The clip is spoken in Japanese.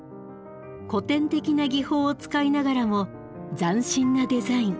古典的な技法を使いながらも斬新なデザイン。